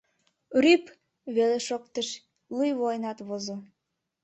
Рӱп! веле шоктыш — луй воленат возо.